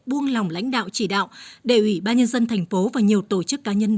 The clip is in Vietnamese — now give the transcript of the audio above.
buông lòng lãnh đạo chỉ đạo đề ủy ban nhân dân tp hcm và nhiều tổ chức cá nhân